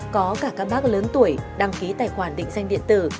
có cả các bác lớn tuổi đăng ký tài khoản định danh điện tử